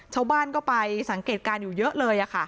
ชาวบ้านก็ไปสังเกตการณ์อยู่เยอะเลย